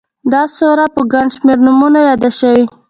دا سوره په گڼ شمېر نومونو ياده شوې